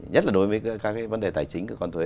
nhất là đối với các cái vấn đề tài chính của con thuế